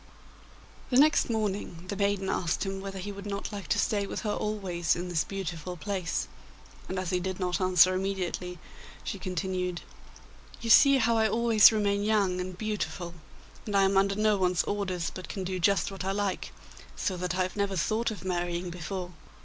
The next morning the maiden asked him whether he would not like to stay with her always in this beautiful place, and as he did not answer immediately, she continued: 'You see how I always remain young and beautiful, and I am under no one's orders, but can do just what I like, so that I have never thought of marrying before.